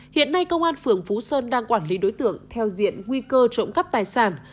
hiện nay công an phường phú sơn đang quản lý đối tượng theo diện nguy cơ trộm cắp tài sản